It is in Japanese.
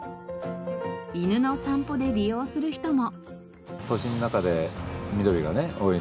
犬の散歩で利用する人も。